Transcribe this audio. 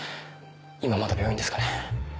今まだ病院ですかね？